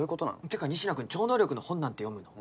てか仁科君超能力の本なんて読むの？